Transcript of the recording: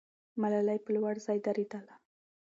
ملالۍ په لوړ ځای درېدله.